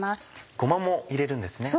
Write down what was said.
ごまも入れるんですね。